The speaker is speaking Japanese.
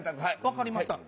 分かりました。